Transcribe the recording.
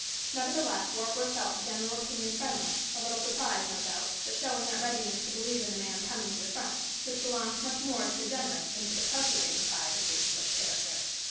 Nevertheless, Warkworth felt the general opinion friendly, a little surprised, no doubt, but showing that readiness to believe in the man coming to the front, which belongs much more to the generous than to the calculating side of the English character.